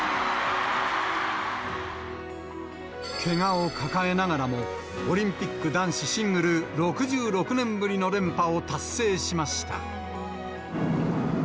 けがを抱えながらも、オリンピック男子シングル６６年ぶりの連覇を達成しました。